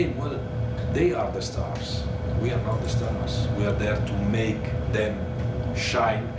เพื่อฝ่าทุกคนที่อยู่ตรงนี้